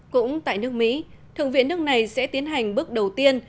với tổng thống mỹ thượng viện nước này sẽ tiến hành bước đầu tiên